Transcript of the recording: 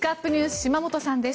島本さんです。